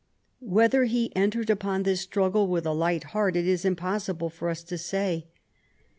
Whether he entered upon this struggle with a light heart it is impossible for us to sa.y.